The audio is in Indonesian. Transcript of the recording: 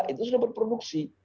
itu sudah berproduksi